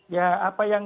ya apa yang